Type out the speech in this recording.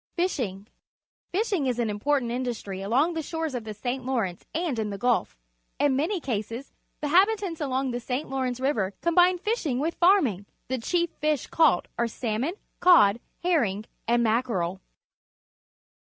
Fishing. — Fishing is an important indus try along the shores of the St. Lawrence and in the Gulf. In many cases the habitants along the St. Lawrence River combine fish ing with farming. The chief fish caught are salmon, cod, herring, and mackerel.